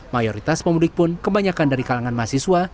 mayoritas pemudik pun kebanyakan dari kalangan mahasiswa